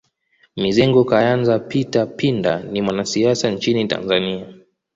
Mizengo Kayanza Peter Pinda ni mwanasiasa nchini Tanzania